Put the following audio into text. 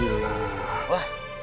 gak ada bangkanya